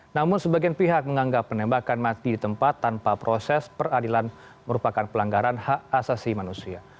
namun sebagian pihak menganggap penembakan mati di tempat tanpa proses peradilan merupakan pelanggaran hak asasi manusia